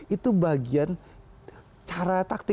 itu bagian cara taktik